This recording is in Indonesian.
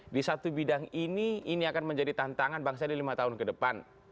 di satu bidang ini ini akan menjadi tantangan bangsa di lima tahun ke depan